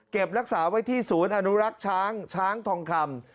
รักษาไว้ที่ศูนย์อนุรักษ์ช้างช้างทองคำ